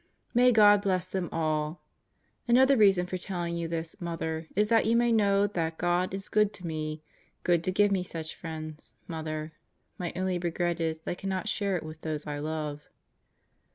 May God bless *them all! Another reason for telling you this, Mother, is that you may know that God is good to me; good to give me such friends, Mother, my only regret is that I cannot share it with those I love.